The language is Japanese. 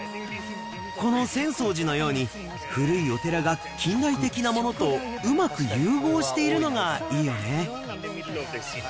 この浅草寺のように、古いお寺が近代的なものとうまく融合しているのがいいよね。